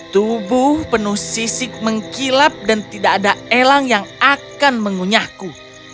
tubuh penuh sisik mengkilap dan tidak ada elang yang akan mengunyahku